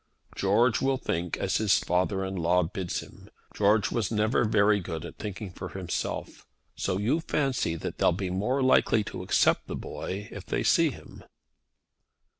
"George will think as his father in law bids him. George was never very good at thinking for himself. So you fancy they'll be more likely to accept the boy if they see him."